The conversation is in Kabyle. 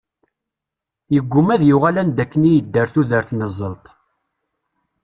Yegguma ad d-yuɣal anda akken i yedder tudert n zzelṭ.